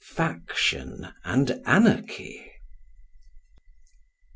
Faction and Anarchy.